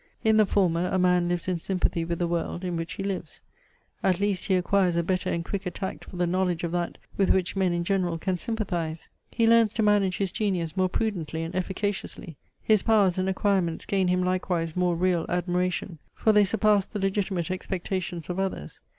In the former a man lives in sympathy with the world, in which he lives. At least he acquires a better and quicker tact for the knowledge of that, with which men in general can sympathize. He learns to manage his genius more prudently and efficaciously. His powers and acquirements gain him likewise more real admiration; for they surpass the legitimate expectations of others.